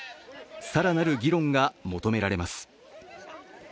更なる議論が求められます。